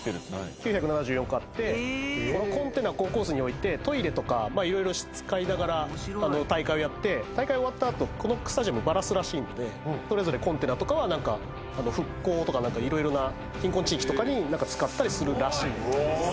９７４個あってこのコンテナコンコースに置いてトイレとか色々使いながら大会をやって大会終わった後このスタジアムバラすらしいのでそれぞれコンテナとかは復興とか色々な貧困地域とかに使ったりするらしい。